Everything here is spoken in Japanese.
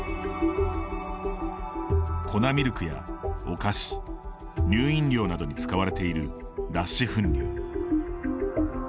粉ミルクやお菓子、乳飲料などに使われている脱脂粉乳。